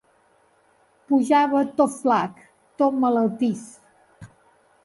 Pujava tot flac, tot malaltís…